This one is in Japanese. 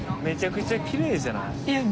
めちゃくちゃきれいじゃない？